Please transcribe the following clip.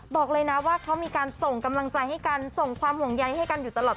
บอกเลยนะว่าเขามีการส่งกำลังใจให้กันส่งความห่วงใยให้กันอยู่ตลอด